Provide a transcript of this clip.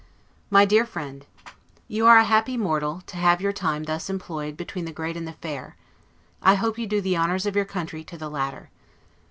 MY DEAR FRIEND: You are a happy mortal, to have your time thus employed between the great and the fair; I hope you do the honors of your country to the latter.